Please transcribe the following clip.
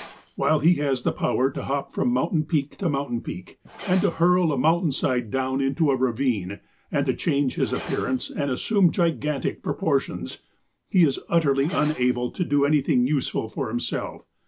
While he has the power to hop from mountain peak to mountain peak, and to hurl a mountainside down into a ravine, and to change his appearance and assume gigantic proportions, he is utterly unable to do anything useful for himself.